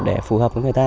để phù hợp với người ta